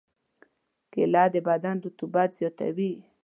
کېله د بدن رطوبت زیاتوي.